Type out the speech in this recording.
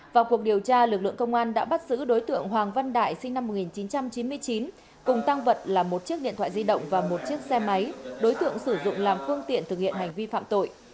vào cuộc điều tra lực lượng công an đã bắt giữ đối tượng hoàng văn đại sinh năm một nghìn chín trăm chín mươi chín cùng tăng vật là một chiếc điện thoại di động và một chiếc xe máy đối tượng sử dụng làm phương tiện thực hiện hành vi phạm tội